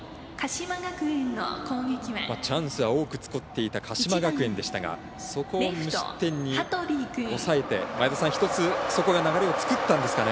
チャンスは多く作っていた鹿島学園でしたがそこを無失点に抑えて１つ、そこが流れを作ったんですかね。